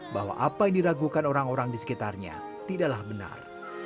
bahwa apa yang diragukan orang orang di sekitarnya tidaklah benar